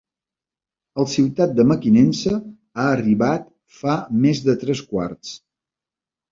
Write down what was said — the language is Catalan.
El Ciutat de Mequinensa ha arribat fa més de tres quarts.